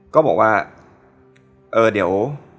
ก็บอกว่าเออเดี๋ยว